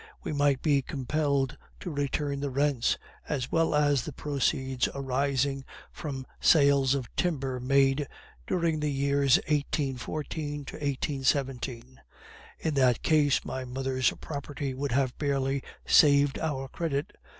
We might be compelled to return the rents, as well as the proceeds arising from sales of timber made during the years 1814 to 1817; in that case my mother's property would have barely saved our credit.